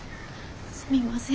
すみません。